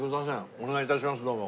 お願い致しますどうも。